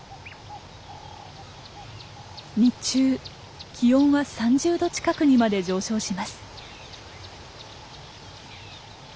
日中気温は３０度近くにまで上昇します。